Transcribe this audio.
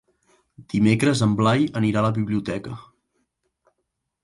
Dimecres en Blai anirà a la biblioteca.